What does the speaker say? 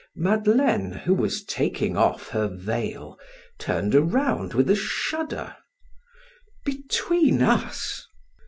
Madeleine, who was taking off her veil, turned around with a shudder: "Between us?"